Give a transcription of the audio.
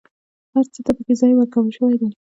هر څه ته پکې ځای ورکول شوی دی.